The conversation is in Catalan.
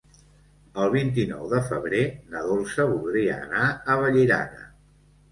El vint-i-nou de febrer na Dolça voldria anar a Vallirana.